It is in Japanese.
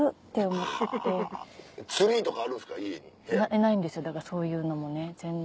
ないんですよだからそういうのもね全然。